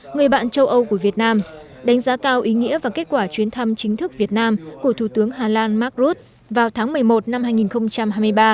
người bạn châu âu của việt nam đánh giá cao ý nghĩa và kết quả chuyến thăm chính thức việt nam của thủ tướng hà lan mark rutte vào tháng một mươi một năm hai nghìn hai mươi ba